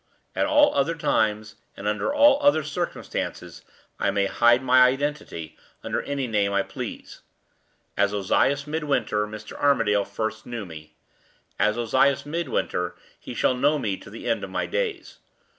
At all other times, and under all other circumstances, I may hide my identity under any name I please. As Ozias Midwinter, Mr. Armadale first knew me; as Ozias Midwinter he shall know me to the end of my days.